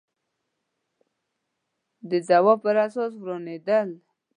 د ځواب پر اساس روانېدل